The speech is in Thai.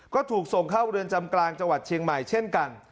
ก็ถูกส่งเข้าเรือนจำกลางจังหวัดเชียงใหม่เช่นกัน